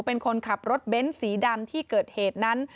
เป็นคนขับรถเบ้นสีดำที่เกิดเหตุนั้น